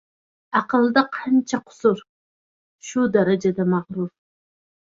Aqlda qancha qusur – shu darajada magʻrur.